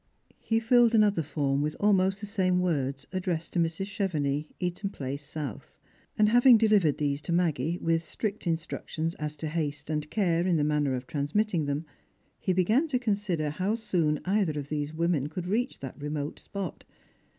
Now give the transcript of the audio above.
He filled another form with almost the same words addressed to Mrs. Chevenix, Eaton place south. And having delivered these to Maggie, with strict instructions as to haste and care in the manner of transmitting them, he began to consider how Boon either of these women could reach that remote spot.